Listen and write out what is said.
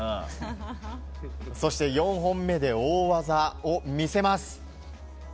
そして４本目で大技を見せます。